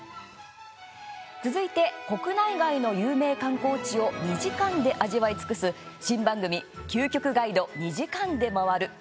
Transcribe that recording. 続いて、国内外の有名観光地を２時間で味わい尽くす新番組「究極ガイド２時間でまわる☆☆☆」。